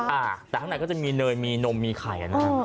แต่ข้างในก็จะมีเนยมีนมมีไข่